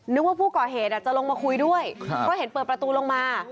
ว่าผู้ก่อเหตุจะลงมาคุยด้วยเพราะเห็นเปิดประตูลงมา